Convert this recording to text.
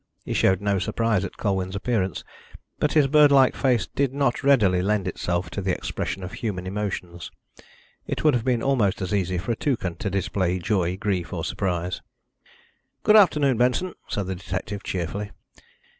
He showed no surprise at Colwyn's appearance, but his bird like face did not readily lend itself to the expression of human emotions. It would have been almost as easy for a toucan to display joy, grief, or surprise. "Good afternoon, Benson," said the detective cheerfully.